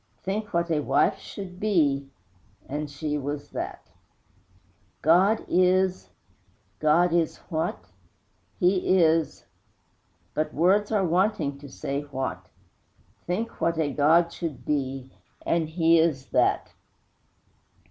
Think what a wife should be And she was that! God is ! God is what? He is , But words are wanting to say what! Think what a God should be And He is that!